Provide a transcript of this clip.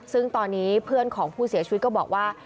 ซึ่งตอนนี้เพื่อนของผู้เสียชีวิตก็บอกว่า